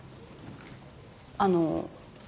あの。